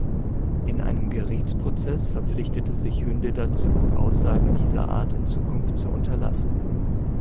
In einem Gerichtsprozess verpflichtete sich Hynde dazu, Aussagen dieser Art in Zukunft zu unterlassen.